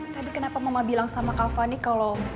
tadi kenapa mama bilang sama kak fani kalau